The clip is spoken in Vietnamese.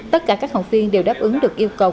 tất cả các học viên đều đáp ứng được yêu cầu